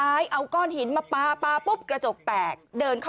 มีคลิปเชิญค่ะ